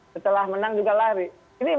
setelah menang juga lari ini memang